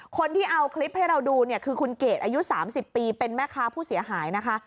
คนที่เอาคลิปให้เราดูเนี่ยคือคุณเกดอายุ๓๐ปีเป็นแม่ค้าผู้เสียหายนะคะ